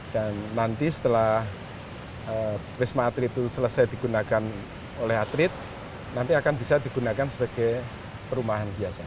dan nanti setelah wisma atlet itu selesai digunakan oleh atlet nanti akan bisa digunakan sebagai perumahan biasa